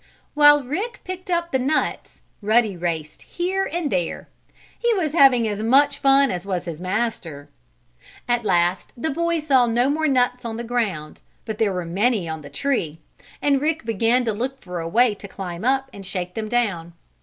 While Rick picked up the nuts Ruddy raced here and there. He was having as much fun as was his master. At last the boy saw no more nuts on the ground, but there were many on the tree, and Rick began to look for a way to climb up and shake them down.